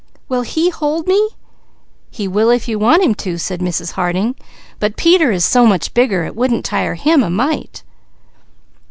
"Will he hold me?" "He will if you want him to," said Mrs. Harding, "but Peter is so much bigger, it wouldn't tire him a mite."